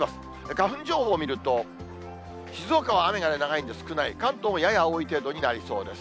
花粉情報を見ると、静岡は雨が長いんで少ない、関東もやや多い程度になりそうです。